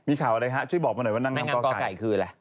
มีข่าวอะไรฮะช่วยบอกมาหน่อยว่านางงามกอไก่